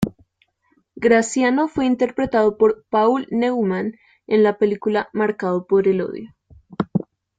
Graziano fue interpretado por Paul Newman en la película Marcado por el odio.